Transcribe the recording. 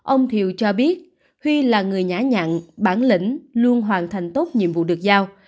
ông thiệu cho biết huy là người nhã nhặn bản lĩnh luôn hoàn thành tốt nhiệm vụ được giao